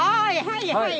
はいはい！